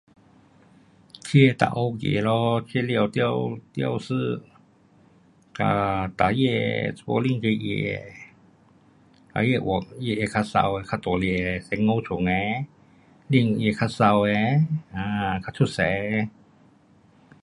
去每位走咯，去了吊饰它的车顶跟它的还它的较美较大粒的十五寸的，轮它会较美的，啊，较出色的。